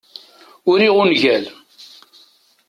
Uriɣ ungal.